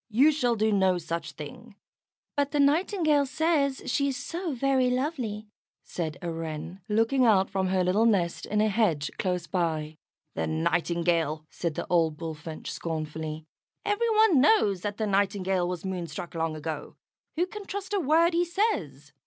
"You shall do no such thing." "But the Nightingale says she is so very lovely," said a Wren, looking out from her little nest in a hedge close by. "The Nightingale!" said the old Bullfinch, scornfully. "Every one knows that the Nightingale was moonstruck long ago. Who can trust a word he says?"